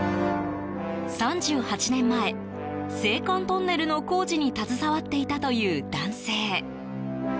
３８年前、青函トンネルの工事に携わっていたという男性。